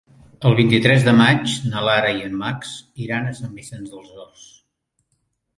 El vint-i-tres de maig na Lara i en Max iran a Sant Vicenç dels Horts.